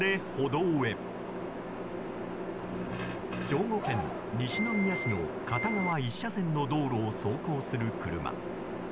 兵庫県西宮市の片側１車線の道路を走行する車。